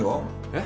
えっ？